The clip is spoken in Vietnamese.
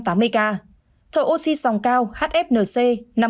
thở oxy sòng cao hfnc năm mươi ca